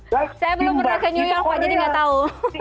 saya belum pernah ke new york pak jadi nggak tahu